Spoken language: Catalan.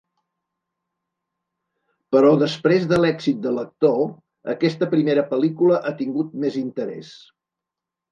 Però després de l'èxit de l'actor, aquesta primera pel·lícula ha tingut més interès.